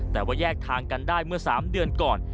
แต่ว่าแยกทางกันได้เมื่อ๓เดือนก่อน